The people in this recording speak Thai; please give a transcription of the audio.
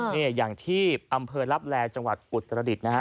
นี่อย่างที่อำเภอลับแลจังหวัดอุตรดิษฐ์นะฮะ